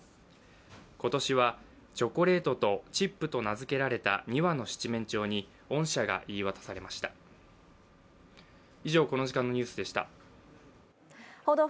今年は、チョコレートとチップと名付けられた２羽の七面鳥に恩赦が言い渡されました。